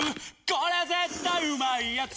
これ絶対うまいやつ」